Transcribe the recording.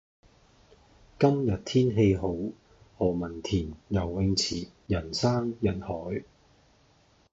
今日天氣好，何文田游泳池人山人海。